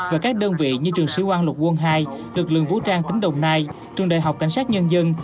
và các đơn vị như trường sĩ quan lục quân hai lực lượng vũ trang tỉnh đồng nai trường đại học cảnh sát nhân dân